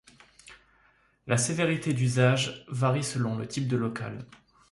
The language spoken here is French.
La sévérité d'usage varie selon le type de local.